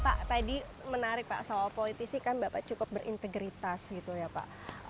pak tadi menarik pak soal politisi kan bapak cukup berintegritas gitu ya pak